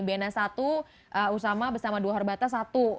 bena satu usama bersama dua horbatas satu